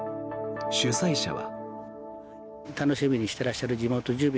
主催者は。